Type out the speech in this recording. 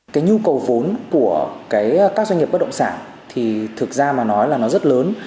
cái nhu cầu vốn của các doanh nghiệp bất động sản thì thực ra mà nói là nó rất lớn